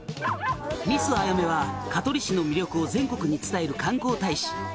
「ミスあやめは香取市の魅力を全国に伝える観光大使」